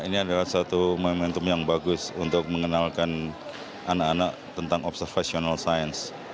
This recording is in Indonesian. ya ini adalah satu momentum yang bagus untuk mengenalkan anak anak tentang observational science